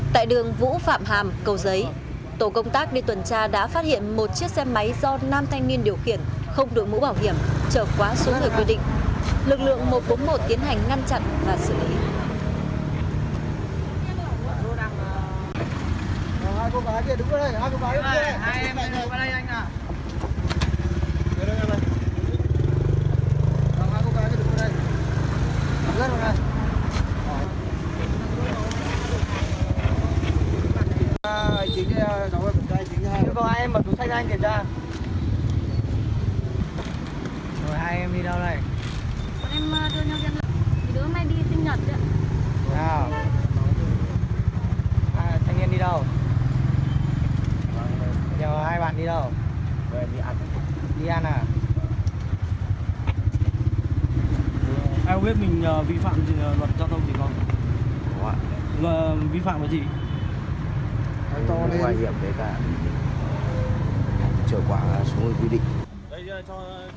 tại đường vũ phạm hàm cầu giấy tổ công tác đi tuần tra đã phát hiện một chiếc xe máy do nam thanh niên điều khiển không được mũ bảo hiểm trở quá xuống được quyết định